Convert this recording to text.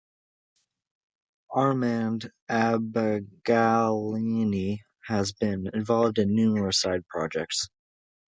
Armand Abagliani has been involved in numerous side projects.